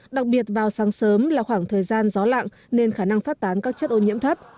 đặc biệt vào sáng sớm là khoảng thời gian gió lặng nên khả năng phát tán các chất ô nhiễm thấp